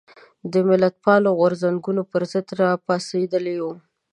د ملتپالو غورځنګونو پر ضد راپاڅېدلي وو.